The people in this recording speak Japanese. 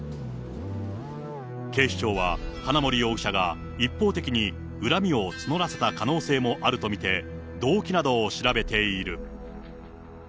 警視庁は、花森容疑者が一方的に恨みを募らせた可能性もあると見て、動機などを調べている。